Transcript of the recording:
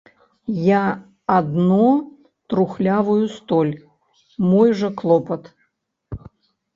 Я адно трухлявую столь, мой жа клопат.